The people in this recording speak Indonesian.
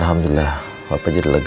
alhamdulillah papa jadi lega